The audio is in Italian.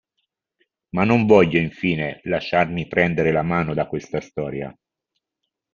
Ma non voglio infine lasciarmi prendere la mano da questa storia.